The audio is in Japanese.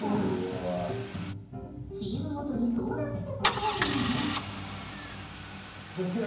チームごとに相談して答えるのじゃ。